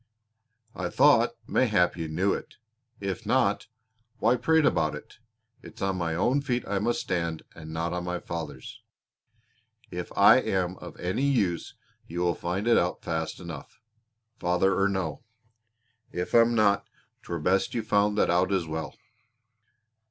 "I thought mayhap you knew it. If not why prate about it? It's on my own feet I must stand and not on my father's. If I am of any use you will find it out fast enough, father or no father; if I'm not 'twere best you found that out as well."